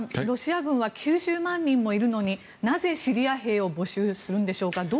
ロシア軍は９０万人もいるのになぜ、シリア兵を募集するんでしょうか。